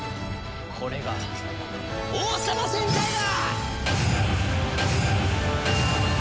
これが王様戦隊だ！